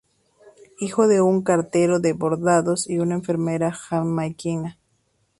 Es hijo de un cartero de Barbados y una enfermera jamaiquina.